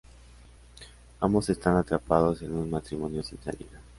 Ambos están atrapados en un matrimonio sin salida.